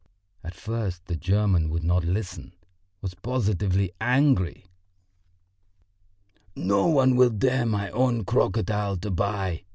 At first the German would not listen was positively angry. "No one will dare my own crocodile to buy!"